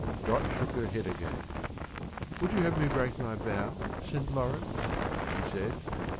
Dot shook her head again. "Would you have me break my vow, St. Lawrence?" she said.